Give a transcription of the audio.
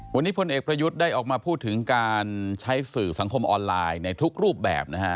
วันนี้พลเอกประยุทธ์ได้ออกมาพูดถึงการใช้สื่อสังคมออนไลน์ในทุกรูปแบบนะฮะ